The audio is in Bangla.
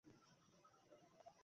বল কেন মারলি?